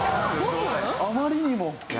あまりにも。